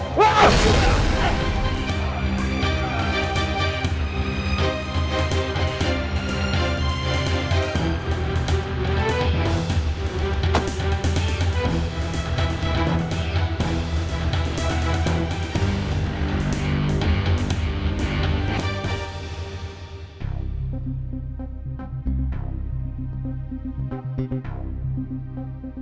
aku tidak suka kegagalan